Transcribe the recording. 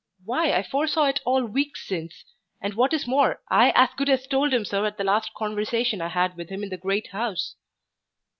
Why, I foresaw it all weeks since, and what is more, I as good as told him so at the last conversation I had with him in the great house."